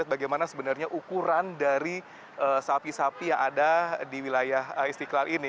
bagaimana sebenarnya ukuran dari sapi sapi yang ada di wilayah istiqlal ini